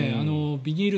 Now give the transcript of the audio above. ビニール